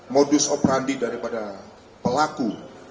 modus operandi daripada pelaku